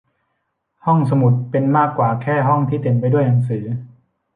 ห้องสมุดเป็นมากกว่าแค่ห้องที่เต็มไปด้วยหนังสือ